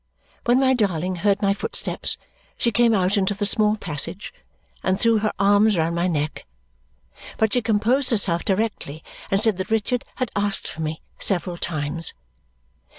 When my darling heard my footsteps, she came out into the small passage and threw her arms round my neck, but she composed herself directly and said that Richard had asked for me several times.